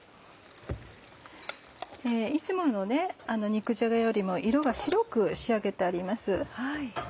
いつもの肉じゃがよりも色が白く仕上げてあります。